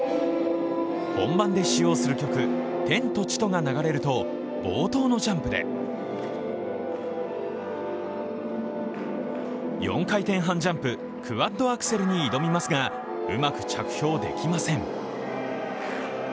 本番で使用する曲「天と地と」が流れると冒頭のジャンプで４回転半ジャンプ、クワッドアクセルに挑みますがうまく着氷できません。